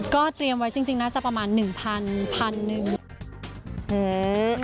ก็เตรียมไว้จริงน่าจะประมาณ๑๐๐พันหนึ่ง